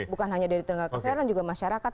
bukan hanya dari tenaga kesehatan juga masyarakat